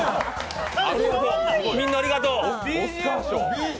みんなありがとう。